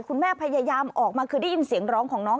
คุณแม่พยายามออกมาคือได้ยินเสียงร้องของน้อง